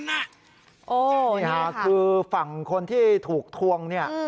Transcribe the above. นี่ค่ะคือฝั่งคนที่ถูกทวงเนี่ย